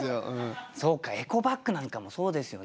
そうかエコバッグなんかもそうですよね。